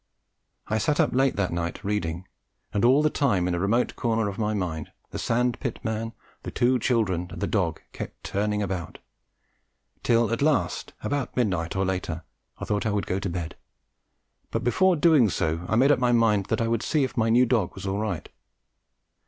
I sat up late that night reading, and all the time in a remote corner of my mind the sand pit man, the two children and the dog kept turning about, till at last, about midnight or later, I thought I would go to bed; but before doing so I made up my mind that I would see if my new dog was all right.